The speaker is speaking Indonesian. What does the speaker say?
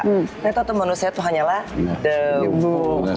tapi itu tuh manusia tuh hanyalah debu